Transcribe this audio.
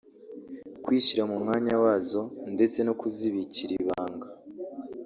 kwishyira mu mwanya wazo ndetse no kuzibikira ibanga